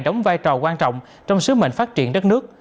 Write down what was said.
đóng vai trò quan trọng trong sứ mệnh phát triển đất nước